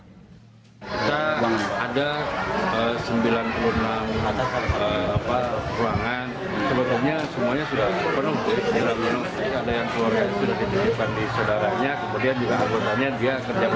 kita ada sembilan puluh enam ruangan sebetulnya semuanya sudah penuh